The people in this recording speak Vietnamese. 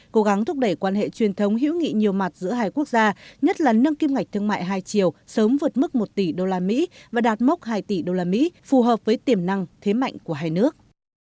cố gắng thúc đẩy quan hệ truyền thống hữu nghị nhiều mặt giữa hai quốc gia nhất là nâng kim ngạch thương mại hai triệu sớm vượt mức một tỷ usd và đạt mốc hai tỷ usd phù hợp với tiềm năng thế mạnh của hai nước